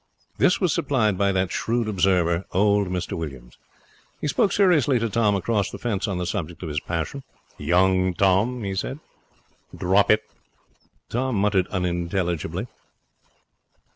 This was supplied by that shrewd observer, old Mr Williams. He spoke seriously to Tom across the fence on the subject of his passion. 'Young Tom,' he said, 'drop it.' Tom muttered unintelligibly.